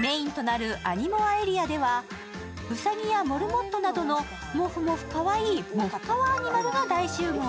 メインとなる、あにもあエリアではうさぎやモルモットなどのもふもふかわいいもふかわアニマルが大集合。